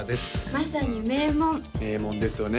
まさに名門名門ですよね